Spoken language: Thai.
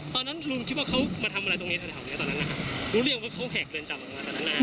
ตอนนั้นลุงคิดว่าเขามาทำอะไรตรงนี้ตอนนี้ตอนนั้นนะครับ